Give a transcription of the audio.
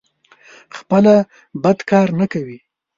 خپله بد کار نه کوي.